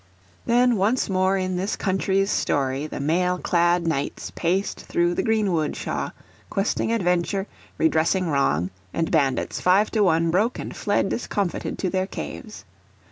Then once more in this country's story the mail clad knights paced through the greenwood shaw, questing adventure, redressing wrong; and bandits, five to one, broke and fled discomfited to their caves.